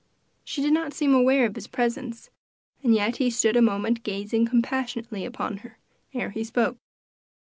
She did not seem aware of his presence, and he stood a moment gazing compassionately upon her, ere he spoke.